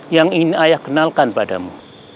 yang ingin ayah kenalkan padamu